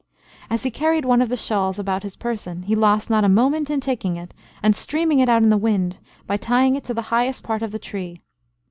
As he carried one of the shawls about his person, he lost not a moment in taking it, and streaming it out in the wind, by tying it to the highest part of the tree.